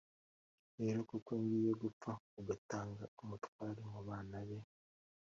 rero ko agiye gupfa, agatanga umutware mu bana be